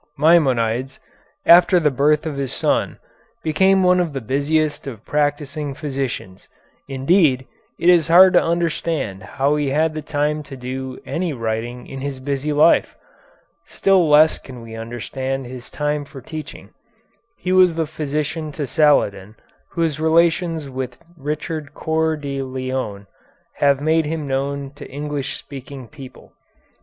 Maimonides, after the birth of his son, became one of the busiest of practising physicians. Indeed, it is hard to understand how he had the time to do any writing in his busy life. Still less can we understand his time for teaching. He was the physician to Saladin, whose relations with Richard Coeur de Lion have made him known to English speaking people.